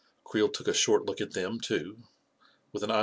. Creel took a short look at them, too, with an eye.